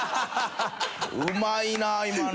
うまいなあ今の。